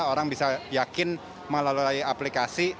orang bisa yakin melalui aplikasi